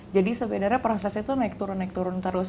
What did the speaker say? jadi sebenarnya prosesnya tuh naik turun naik turun terus